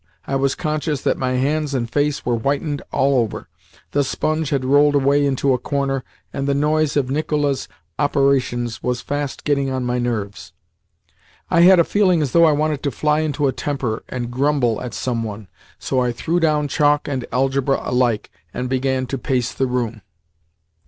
I was conscious that my hands and face were whitened all over; the sponge had rolled away into a corner; and the noise of Nicola's operations was fast getting on my nerves. I had a feeling as though I wanted to fly into a temper and grumble at some one, so I threw down chalk and "Algebra" alike, and began to pace the room.